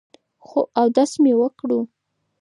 خو اودس مې وکړو ـ